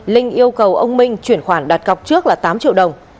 linh yêu cầu ông minh chuyển khoản đặt cọc trước là tám triệu đồng